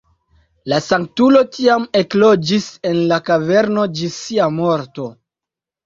La sanktulo tiam ekloĝis en la kaverno ĝis sia morto.